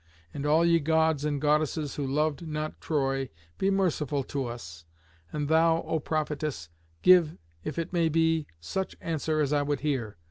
And all ye Gods and Goddesses who loved not Troy, be merciful to us. And thou, O Prophetess, give, if it may be, such answer as I would hear.